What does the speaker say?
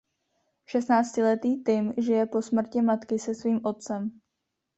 Šestnáctiletý Tim žije po smrti matky se svým otcem.